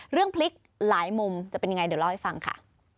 เรื่องพลิกหลายมุมจะเป็นอย่างไรเดี๋ยวเล่าให้ฟังค่ะ